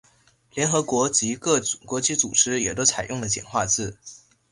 联合国及各国际组织也都采用了简化字。